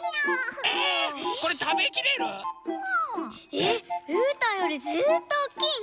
えっうーたんよりずっとおっきいね！